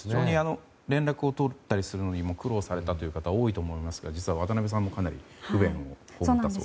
連絡を取ったりするのに苦労したという方も多いと思いますが実は、渡辺さんもかなり不便に思ったと。